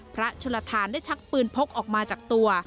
ชนลทานได้ชักปืนพกออกมาจากตัว